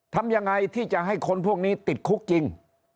ทำยังไงที่จะให้คนพวกนี้ติดคุกจริง